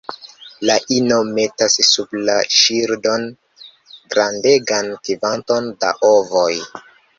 La ino metas sub la ŝildon grandegan kvanton da ovoj.